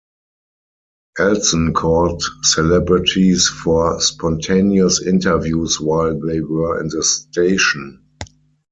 Elson caught celebrities for spontaneous interviews while they were in the station.